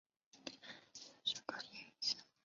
毫无疑问那一年人们对协会留下了很深的印象。